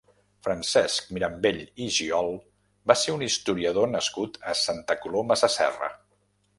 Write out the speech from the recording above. Francesc Mirambell i Giol va ser un historiador nascut a Santa Coloma Sasserra.